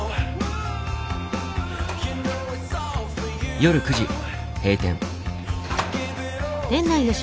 夜９時閉店。